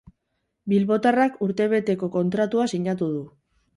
Bilbotarrak urtebeteko kontratua sinatu du.